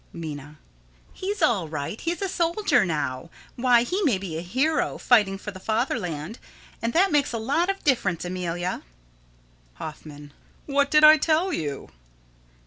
Minna: He's all right. He's a soldier now. Why, he may be a hero, fighting for the fatherland; and that makes a lot of difference, Amelia. Hoffman: What did I tell you?